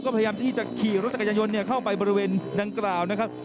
กำจัดกระยังตรงเข้าไปบริเวณดังกราวนะครับ